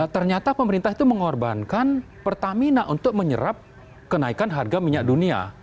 ternyata pemerintah itu mengorbankan pertamina untuk menyerap kenaikan harga minyak dunia